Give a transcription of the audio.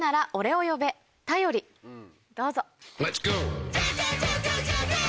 どうぞ。